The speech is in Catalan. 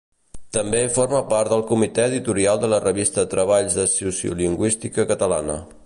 També forma part del Comitè Editorial de la revista Treballs de Sociolingüística Catalana.